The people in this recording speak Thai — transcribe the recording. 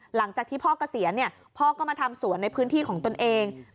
หลังจากที่พ่อเกษียณพ่อก็มาทำสวนในพื้นที่ของตนเอง